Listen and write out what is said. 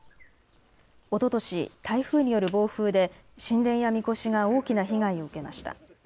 おととし、台風による暴風で神殿やみこしが大きな被害を受けました。